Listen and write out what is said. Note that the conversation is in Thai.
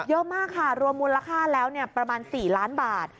เยอะมากค่ะรวมมูลค่าแล้วประมาณ๔ล้านบาท